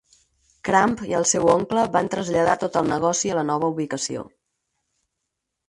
Crump i el seu oncle van traslladar tot el negoci a la nova ubicació.